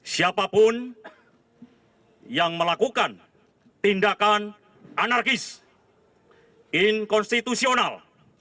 siapapun yang melakukan tindakan anarkis inkonstitusional